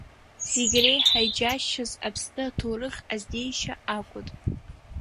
Зегь реиҳа иџьасшьаз Аԥсны аҭоурых иазнеишьа акәын…